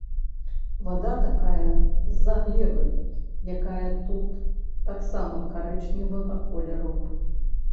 Вада такая з-за глебы, якая тут таксама карычневага колеру.